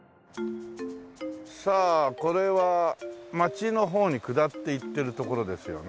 さあこれは街の方に下っていってるところですよね？